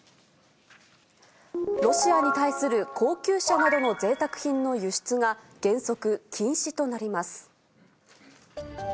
ロシアに対する高級車などのぜいたく品の輸出が、原則、禁止となります。